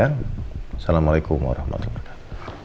assalamualaikum warahmatullahi wabarakatuh